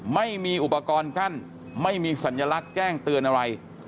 ไม่มีอุปกรณ์กั้นไม่มีสัญลักษณ์แจ้งเตือนอะไร